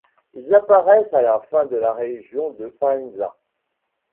Ils apparaissent à la fin du dans la région de Faenza.